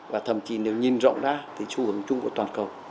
và thậm chí nếu nhìn rộng ra thì xu hướng chung của toàn cầu